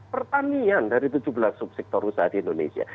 pertanian dari tujuh belas sektor usaha di indonesia